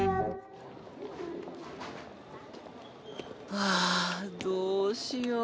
ああどうしよう。